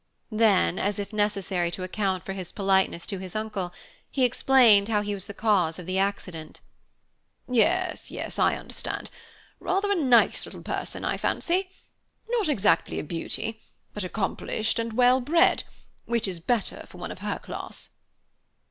Then, as if necessary to account for his politeness to his uncle, he explained how he was the cause of the accident. "Yes, yes. I understand. Rather a nice little person, I fancy. Not exactly a beauty, but accomplished and well bred, which is better for one of her class."